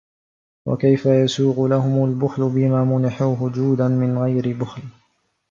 وَكَيْفَ يَسُوغُ لَهُمْ الْبُخْلُ بِمَا مُنِحُوهُ جُودًا مِنْ غَيْرِ بُخْلٍ